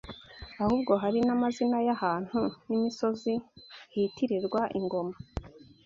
ahubwo hari n’amazina y’ahantu n’imisozi hitirirwa ingoma